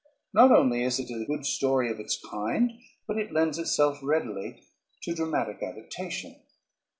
Not only is it a good story of its kind, but it lends itself readily to dramatic adaptation.